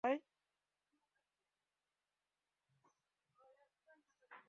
প্রথম পর্বের তিন ম্যাচের দুটিতে জিতলেও আয়ারল্যান্ডের সঙ্গে ম্যাচটি পুরোপুরি হতে দেয়নি বৃষ্টি।